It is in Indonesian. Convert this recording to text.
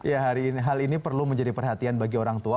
ya hal ini perlu menjadi perhatian bagi orang tua